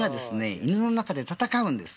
犬の中で戦うんです。